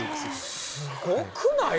すごくない？